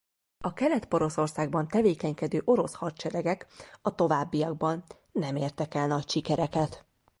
A Kelet-Poroszországban tevékenykedő orosz hadseregek a továbbiakban nem értek el nagy sikereket.